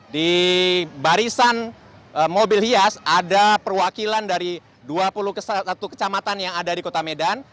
di barisan mobil hias ada perwakilan dari dua puluh satu kecamatan yang ada di kota medan